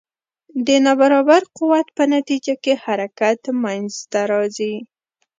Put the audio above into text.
د نا برابر قوت په نتیجه کې حرکت منځته راځي.